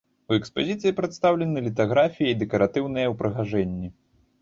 У экспазіцыі прадстаўлены літаграфіі і дэкаратыўныя ўпрыгажэнні.